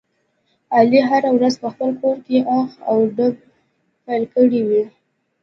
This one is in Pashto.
علي هره ورځ په خپل کورکې اخ او ډب پیل کړی وي.